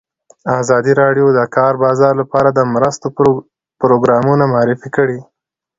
ازادي راډیو د د کار بازار لپاره د مرستو پروګرامونه معرفي کړي.